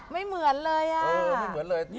ไม่เหมือนเลย